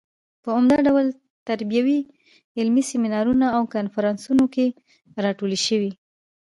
په عمده ډول تربیوي علمي سیمینارونو او کنفرانسونو کې راټولې شوې.